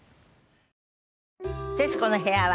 『徹子の部屋』は